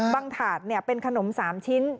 บางถาดเนี่ยเป็นขนม๓ชิ้น